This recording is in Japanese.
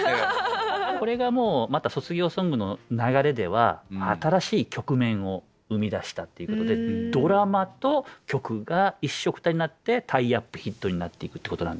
これがもうまた卒業ソングの流れでは新しい局面を生み出したっていうことでドラマと曲が一緒くたになってタイアップヒットになっていくってことなんですけど。